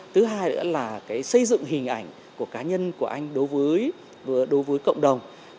thứ hai nữa là xây dựng hình ảnh của cá nhân của anh đối với cộng đồng